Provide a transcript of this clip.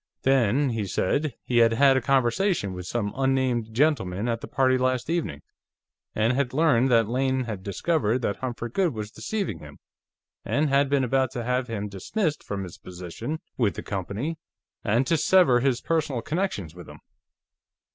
Then, he said, he had had a conversation with some unnamed gentleman at the party last evening, and had learned that Lane had discovered that Humphrey Goode was deceiving him, and had been about to have him dismissed from his position with the company, and to sever his personal connections with him."